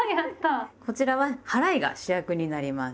こちらは「はらい」が主役になります。